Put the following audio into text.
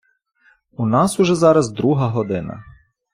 У нас уже зараз друга година.